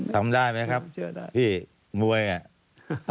ทำได้ไหมครับพี่มวยอ่ะ